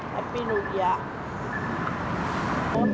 และปีนูเกียร์